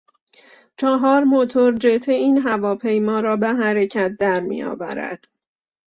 چهار موتور جت این هواپیما را به حرکت در میآورد.